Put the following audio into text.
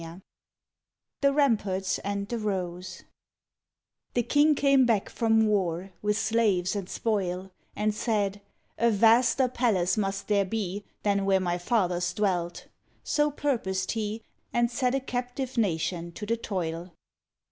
49 THE RAMPARTS AND THE ROSE The king came back from war with slaves and spoil, And said, "A vaster palace must there be Than where my fathers dwelt." So purposed he, And set a captive nation to the toil.